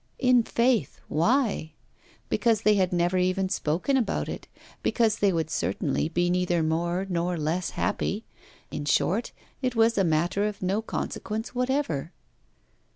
In faith, why? Because they had never even spoken about it, because they would certainly be neither more nor less happy; in short it was a matter of no consequence whatever.